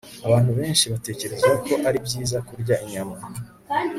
Abantu benshi batekereza ko ari byiza kurya inyama